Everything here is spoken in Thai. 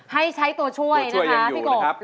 ให้ใช้ตัวช่วยตัวช่วยยังอยู่เลย